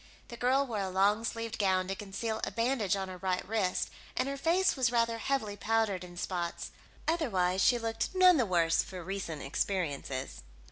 The girl wore a long sleeved gown to conceal a bandage on her right wrist, and her face was rather heavily powdered in spots; otherwise she looked none the worse for recent experiences.